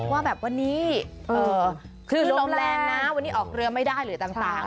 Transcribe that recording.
ว่าแบบวันนี้คลื่นลมแรงนะวันนี้ออกเรือไม่ได้หรือต่าง